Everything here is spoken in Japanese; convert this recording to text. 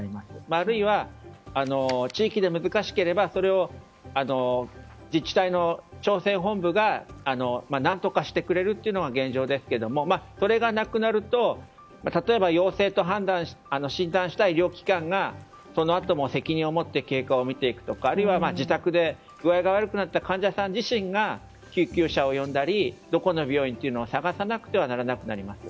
あるいは地域で難しければそれを自治体の調整本部が何とかしてくれるというのが現状ですけどもこれがなくなると例えば陽性と診断した医療機関がそのあとも責任を持って経過を見ていくとかあるいは自宅で具合が悪くなった患者さん自身が救急車を呼んだりどこの病院とかを探さなくてはならなくなります。